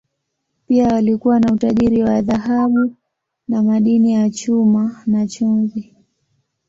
Pia walikuwa na utajiri wa dhahabu na madini ya chuma, na chumvi.